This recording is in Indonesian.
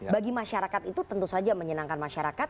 bagi masyarakat itu tentu saja menyenangkan masyarakat